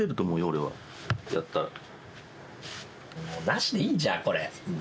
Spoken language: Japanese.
もうなしでいいんじゃんこれ。